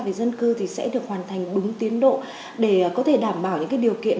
về dân cư thì sẽ được hoàn thành đúng tiến độ để có thể đảm bảo những điều kiện